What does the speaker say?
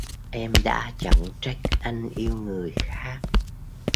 Em đã chẳng trách anh yêu người khác